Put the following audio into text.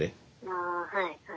ああはいはい。